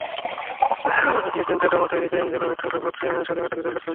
তাই আবহাওয়ার চিন্তাটা মাথায় নিয়েই অ্যাঞ্জেলো ম্যাথুস অবাধ স্বাধীনতা দিলেন ব্যাটসম্যানদের।